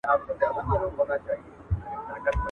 خوار کور له دېواله معلومېږي.